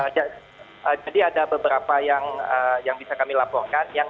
ya jadi ada beberapa yang bisa kami laporkan